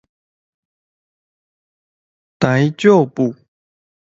大丈夫